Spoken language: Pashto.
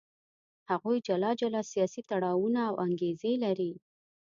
هغوی جلا جلا سیاسي تړاوونه او انګېزې لري.